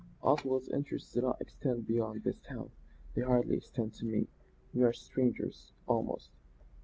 Oswald's interests do not extend beyond this town; they hardly extend to me. We are strangers, almost.